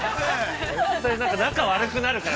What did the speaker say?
◆仲が悪くなるから。